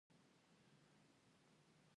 کله – کله باران بازي درولای سي.